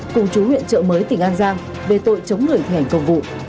cùng chú huyện trợ mới tỉnh an giang về tội chống người thi hành công vụ